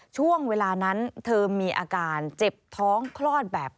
ช่วงเวลานั้นเธอมีอาการเจ็บท้องคลอดแบบ